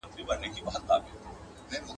کږه غاړه توره نه خوري.